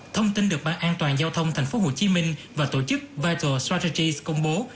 thông tin được ban an toàn giao thông tp hcm và tổ chức vital sourgis công bố